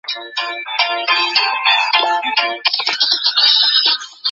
田野拟漆姑为石竹科拟漆姑属的植物。